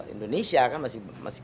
indonesia kan masih